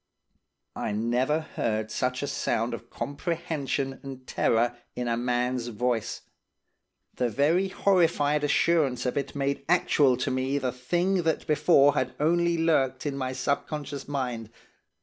"I never heard such a sound of comprehension and terror in a man's voice. The very horrified assurance of it made actual to me the thing that before had only lurked in my subconscious mind.